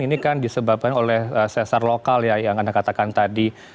ini kan disebabkan oleh sesar lokal ya yang anda katakan tadi